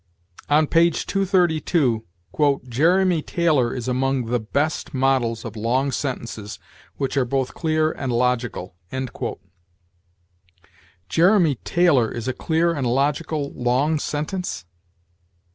On page 232, "Jeremy Taylor is among the best models of long sentences which are both clear and logical." Jeremy Taylor is a clear and logical long sentence?!